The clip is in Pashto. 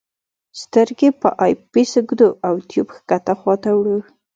سترګې په آی پیس ږدو او ټیوب ښکته خواته وړو.